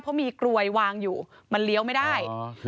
เพราะมีกลวยวางอยู่มันเลี้ยวไม่ได้